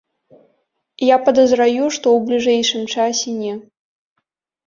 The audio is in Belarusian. Я падазраю, што ў бліжэйшым часе не.